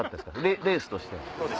レースとして。